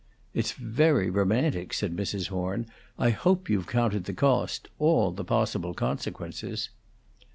"It's very romantic," said Mrs. Horn. "I hope you've counted the cost; all the possible consequences."